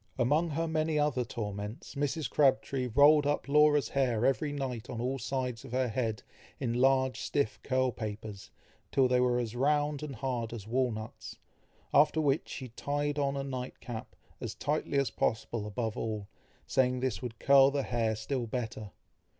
Among her many other torments, Mrs. Crabtree rolled up Laura's hair every night on all sides of her head, in large stiff curl papers, till they were as round and hard as walnuts, after which, she tied on a night cap, as tightly as possible above all, saying this would curl the hair still better.